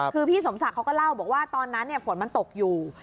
คือพี่สมศักดิ์เขาก็เล่าบอกว่าตอนนั้นฝนมันตกอยู่